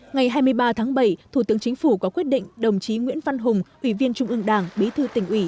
ngày hai mươi ba tháng bảy thủ tướng chính phủ có quyết định đồng chí nguyễn văn hùng ủy viên trung ương đảng bí thư tỉnh ủy